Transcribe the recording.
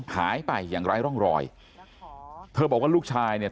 หายไปอย่างไร้ร่องรอยเธอบอกว่าลูกชายเนี่ย